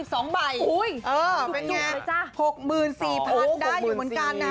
เป็นไง๖๔๐๐๐ได้อยู่เหมือนกันนะฮะ